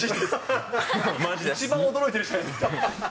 一番驚いてるじゃないですか。